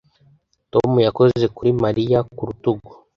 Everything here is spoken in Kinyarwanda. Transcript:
Tom yakoze kuri Mariya ku rutugu